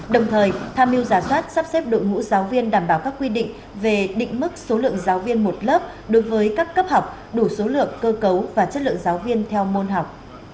đồng thời tham mưu giả soát sắp xếp đội ngũ giáo viên đảm bảo các quy định về định mức số lượng giáo viên một lớp đối với các cấp học đủ số lượng cơ cấu và chất lượng giáo viên theo môn học